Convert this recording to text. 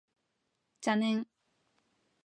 邪念